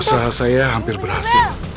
usaha saya hampir berhasil